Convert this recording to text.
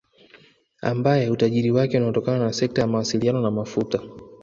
Ambaye utajiri wake unatokana na sekta ya mawasiliano na mafuta